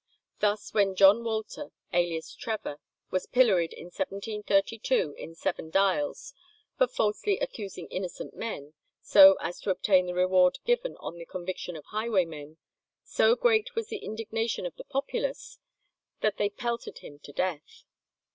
Thus when John Waller, alias Trevor, was pilloried in 1732, in Seven Dials, for falsely accusing innocent men, so as to obtain the reward given on the conviction of highwaymen, so great was the indignation of the populace that they pelted him to death.